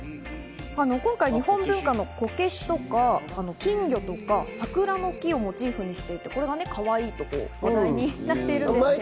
日本の文化のこけしとか、金魚とか桜の木をモチーフにしていてこれがかわいいと話題になっているんです。